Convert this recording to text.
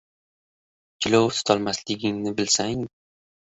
Jilov tutolmasligingni bilsang,—